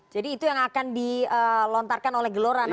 jadi itu yang akan dilontarkan oleh gelora nantinya